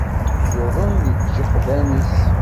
Yuḍen deg yijeɣdan-is.